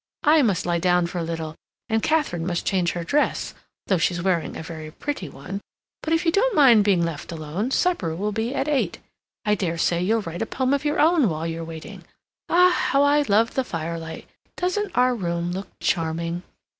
I must lie down for a little, and Katharine must change her dress (though she's wearing a very pretty one), but if you don't mind being left alone, supper will be at eight. I dare say you'll write a poem of your own while you're waiting. Ah, how I love the firelight! Doesn't our room look charming?"